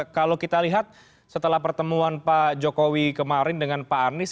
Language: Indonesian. kalau kita lihat setelah pertemuan pak jokowi kemarin dengan pak anies